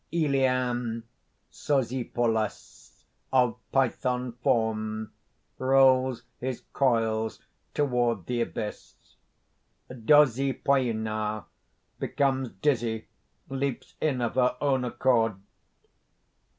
_ ELEAN SOSIPOLIS, of python form, rolls his coils toward the abyss. DOSIPOENA, _becomes dizzy, leaps in of her own accord.